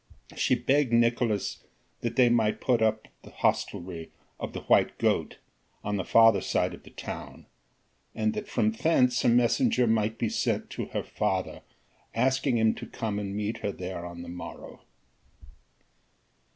She begged Nicolaes that they might put up at the hostelry of the "White Goat" on the further side of the town, and that from thence a messenger might be sent to her father, asking him to come and meet her there on the morrow.